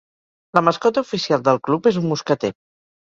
La mascota oficial del club és un mosqueter.